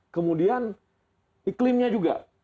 kemudian iklimnya juga